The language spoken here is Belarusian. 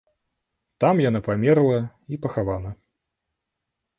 Там яна памерла і пахавана.